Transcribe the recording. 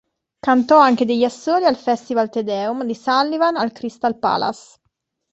Cantò anche degli assoli al "Festival Te Deum" di Sullivan al Crystal Palace.